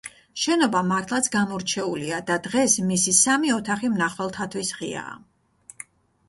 შენობა მართლაც გამორჩეულია და დღეს მისი სამი ოთახი მნახველთათვის ღიაა.